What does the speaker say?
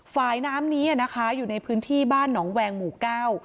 ฝ่ายน้ำนี้อ่ะนะคะอยู่ในพื้นที่บ้านหนองแวงหมู่เก้า